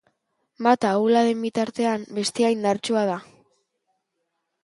Bat ahula den bitartean, bestea indartsua da.